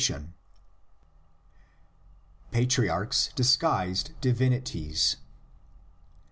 119 PATRIARCHS DISGUISED DIVINITIES.